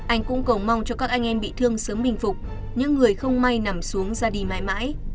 anh cũng cầu mong cho các anh em bị thương sớm bình phục những người không may nằm xuống ra đi mãi mãi